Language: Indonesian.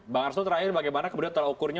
bang arslo terakhir bagaimana kemudian telah ukurnya